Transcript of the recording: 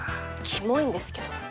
キモいんですけど。